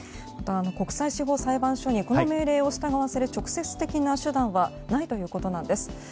国際司法裁判所にこの命令を従わせる直接的な手段はないということなんです。